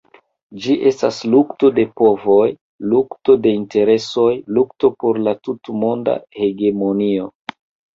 Ĝi estas lukto de povoj, lukto de interesoj, lukto por la tutmonda hegemonio.